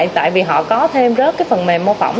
tại vì họ có thêm rớt cái phần mềm mô phỏng